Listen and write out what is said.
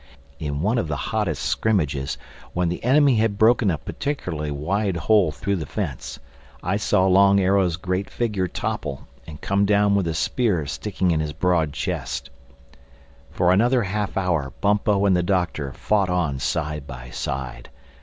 In one of the hottest scrimmages, when the enemy had broken a particularly wide hole through the fence, I saw Long Arrow's great figure topple and come down with a spear sticking in his broad chest. For another half hour Bumpo and the Doctor fought on side by side.